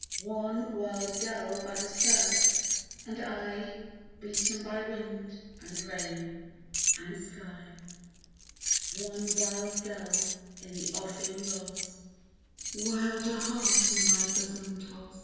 One wild gull by the surf and I, Beaten by wind and rain and sky. One wild gull in the offing lost, Wilder heart in my bosom tost.